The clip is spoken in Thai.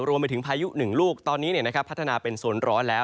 รวมไปถึงพายุ๑ลูกตอนนี้พัฒนาเป็นโซนร้อนแล้ว